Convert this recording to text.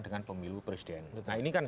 dengan pemilu presiden nah ini kan